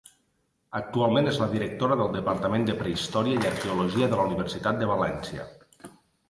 Actualment és la directora del Departament de Prehistòria i Arqueologia de la Universitat de València.